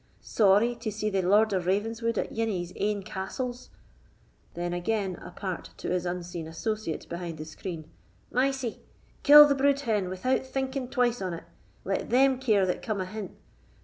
Sorry to see the Lord of Ravenswood at ane o' his ain castles! (Then again apart to his unseen associate behind the screen) Mysie, kill the brood hen without thinking twice on it; let them care that come ahint.